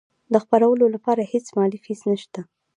د خپرولو لپاره هیڅ مالي فیس نشته.